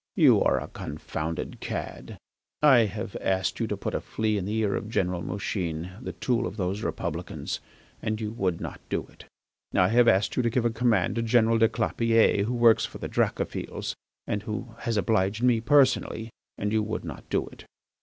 You are a confounded cad. I have asked you to put a flea in the ear of General Mouchin, the tool of those Republicans, and you would not do it. I have asked you to give a command to General des Clapiers, who works for the Dracophils, and who has obliged me personally, and you would not do it.